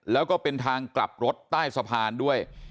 แล้วก็เป็นทางกลับรถใต้สะพานด้วย